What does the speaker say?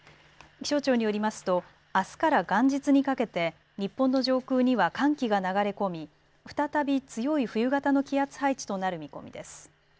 気象庁によりますとあすから元日にかけて日本の上空には寒気が流れ込み再び強い冬型の気圧配置となる見込みです。